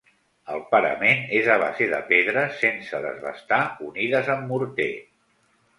El parament és a base de pedres sense desbastar unides amb morter.